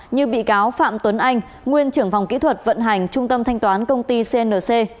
như bị cáo phạm tuấn anh nguyên trưởng phòng kỹ thuật vận hành trung tâm thanh toán công ty cnc